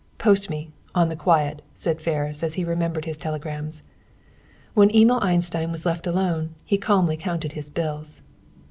Post me, on the quiet," said Ferris, as he remembered his telegrams. When Emil Einstein was left alone, he calmly counted his bills.